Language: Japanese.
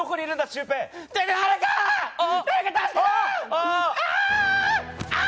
ああ！